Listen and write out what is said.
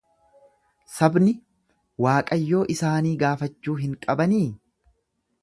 Sabni Waaqayyo isaanii gaafachuu hin qabanii?